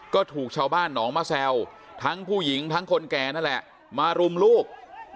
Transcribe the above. ก็ถูกชาวบ้านหนองมะแซวทั้งผู้หญิงทั้งคนแก่นั่นแหละมารุมลูก